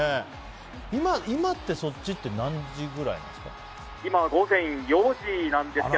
今ってそっちって何時ぐらいなんですか？